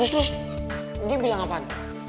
terus dia bilang apaan